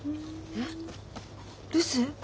えっ留守？